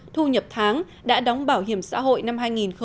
thu nhập tháng đã đóng bảo hiểm xã hội năm hai nghìn một mươi chín